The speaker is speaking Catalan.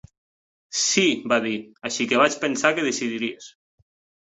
"Sí", va dir; "així que vaig pensar que decidiries".